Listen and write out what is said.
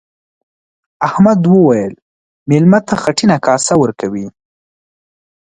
احمد وويل: مېلمه ته خټینه کاسه ورکوي.